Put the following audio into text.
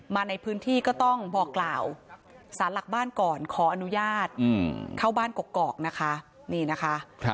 มาในพื้นที่ก็ต้องบอกกล่าวสารหลักบ้านก่อนขออนุญาตเข้าบ้านกกอกนะคะนี่นะคะ